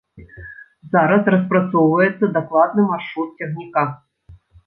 Зараз распрацоўваецца дакладны маршрут цягніка.